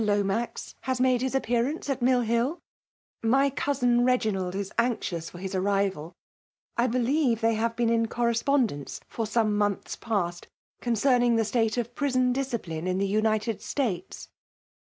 Lomax^ has made his appearance at Mill Hill 7 My cousin Reginald is anxious for his arrival I believe they have been in correspondence for some months past concerning the state of prison discipline in the United States.